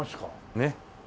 ねっ。